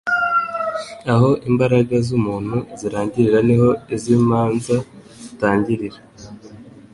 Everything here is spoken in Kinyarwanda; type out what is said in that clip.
aho imbaraga zumuntu zirangirira niho iz'imanz zitangirira